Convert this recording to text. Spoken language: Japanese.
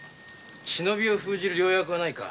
忍びを封じる良薬はないか？